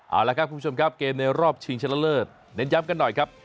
เอาละครับคุณผู้ชมครับเกมในรอบชิงชนะเลิศเน้นย้ำกันหน่อยครับ